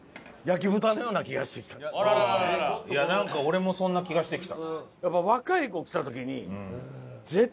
いやなんか俺もそんな気がしてきた。